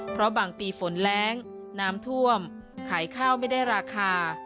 เพราะบางปีฝนแรงน้ำท่วมขายข้าวไม่ได้ราคา